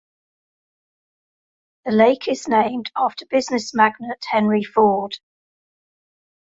The lake is named after business magnate Henry Ford.